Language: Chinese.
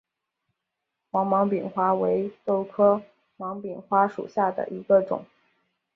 黄芒柄花为豆科芒柄花属下的一个种。